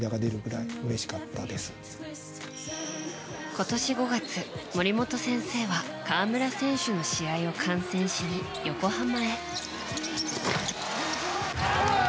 今年５月、森本先生は河村選手の試合を観戦しに横浜へ。